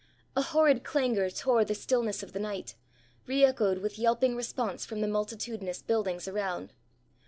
A horrid clangour tore the stillness of the night, re echoed with yelping response from the multitudinous buildings around.